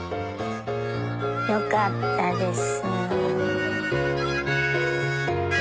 良かったです。